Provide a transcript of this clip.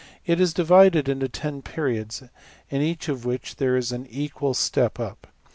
It is divided into $10$~periods, in each of which there is an equal step up.